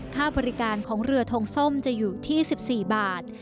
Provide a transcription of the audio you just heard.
ค่าบริการของเรือทงส้มจะอยู่ที่๑๔บาท